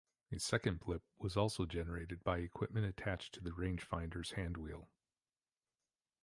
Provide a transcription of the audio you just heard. A second blip was also generated by equipment attached to the rangefinder's handwheel.